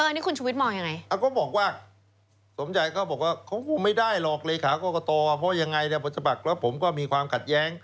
นี่เขาบอกมีอีกข้อหานะก็สมัคร